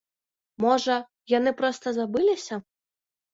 Можа, яны проста забыліся?